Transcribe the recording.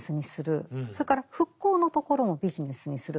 それから復興のところもビジネスにする。